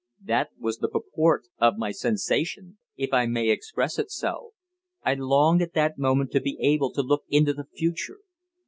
That was the purport of my sensation, if I may express it so. I longed at that moment to be able to look into the future.